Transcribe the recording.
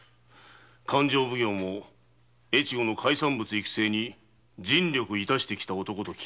勘定奉行も越後の海産物育成に尽力してきた男と聞いておる。